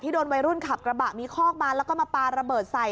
โดนวัยรุ่นขับกระบะมีคอกมาแล้วก็มาปลาระเบิดใส่